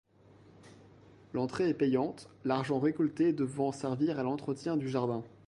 L'entrée est payante, l'argent récolté devant servir à l'entretien du jardin.